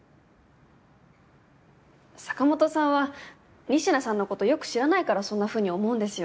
坂本さんは仁科さんのことよく知らないからそんなふうに思うんですよ。